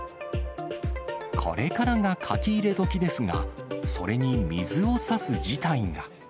これからが書き入れ時ですが、それに水をさす事態が。